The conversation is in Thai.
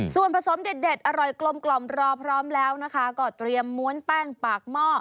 ส่วนผสมเด็ดอร่อยกลมกล่อมรอพร้อมแล้วนะคะก็เตรียมม้วนแป้งปากหม้อ